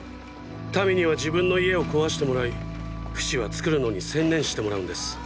民には自分の家を壊してもらいフシは作るのに専念してもらうんです。